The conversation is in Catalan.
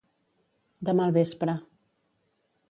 Demà al vespre.